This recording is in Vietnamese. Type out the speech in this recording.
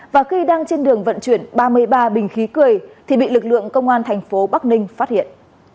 và khi đang trên đường vận chuyển ba mươi ba bình khí cười thì bị lực lượng công an thành phố bắc ninh phát hiện